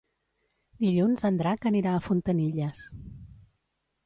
Dilluns en Drac anirà a Fontanilles.